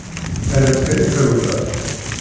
Rran-tt kan i trewla.